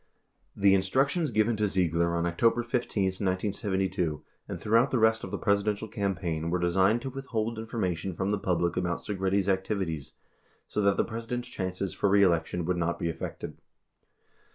93 The instructions given to Ziegler on October 15, 1972, and through out the rest of the Presidential campaign were designed to withhold information from the public about Segretti's activities so that the President's chances for reelection would not be affected.